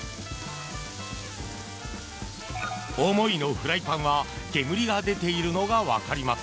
おもいのフライパンは煙が出ているのが分かります。